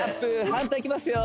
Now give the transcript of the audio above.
反対いきますよ